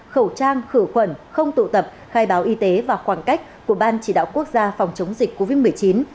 khẩu trang khử khuẩn không tụ tập khai báo y tế và khoảng cách của ban chỉ đạo quốc gia phòng chống dịch covid một mươi chín